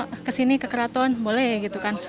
kalau misalkan kita mau kesini ke keraton boleh gitu kan